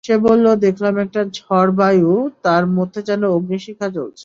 সে বলল, দেখলাম একটা ঝাড়-বায়ু, তার মধ্যে যেন অগ্নিশিখা জ্বলছে।